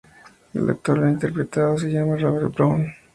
El actor que lo interpretaba se llama Robert Brown.